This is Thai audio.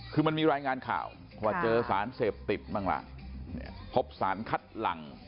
คือมันมีรายงานข่าวว่าเจอสารเสพติดบ้างล่ะพบสารคัดหลัง